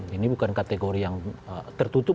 ini bukan kategori yang tertutup